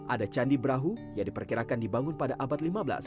ada candi brahu yang diperkirakan dibangun pada abad lima belas